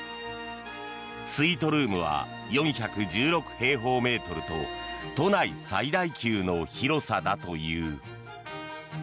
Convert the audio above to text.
スイートルームは４１６平方メートルと都内最大級の広さだという。